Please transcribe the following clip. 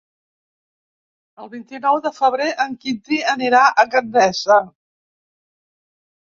El vint-i-nou de febrer en Quintí anirà a Gandesa.